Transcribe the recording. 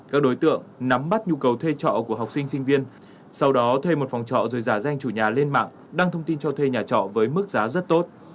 các đối tượng nắm bắt nhu cầu thuê trọ của học sinh sinh viên sau đó thuê một phòng trọ rồi giả danh chủ nhà lên mạng đăng thông tin cho thuê nhà trọ với mức giá rất tốt